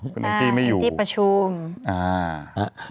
คุณแองจี้ไม่อยู่คุณแองจี้ประชู